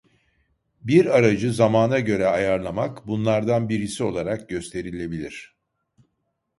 Bir aracı zamana göre ayarlamak bunlardan birisi olarak gösterilebilir.